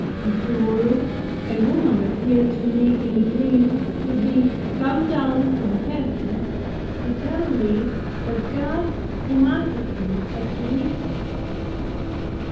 Afterward a woman appeared to me in a dream to be come down from Heaven, to tell me that God demanded me at Geneva.